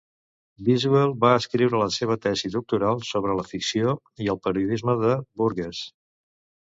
Biswell va escriure la seva tesi doctoral sobre la ficció i el periodisme de Burgess.